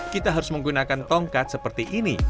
kita harus menggunakan tongkat seperti ini